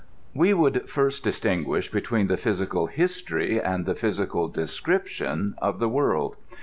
We would first distinguish between the physical history and the physical description of the world.